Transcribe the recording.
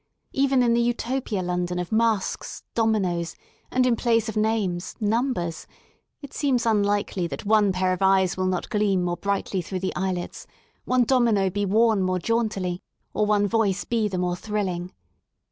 Even in the Utopia London of masks, dominoes, and, in place of names, numbers, it seems unlikely that one pair of eyes will not gleam more brightly through the eyelets, one domino be worn more jauntily, or one voice be the more thrilling.